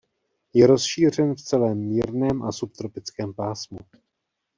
Je rozšířen v celém mírném a subtropickém pásmu.